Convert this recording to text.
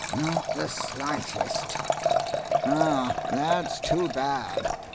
"Not the slightest!" "Ah, that's too bad.